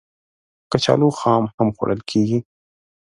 کچالو خام هم خوړل کېږي